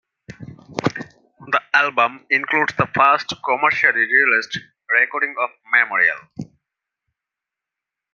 The album includes the first commercially released recording of "Memorial".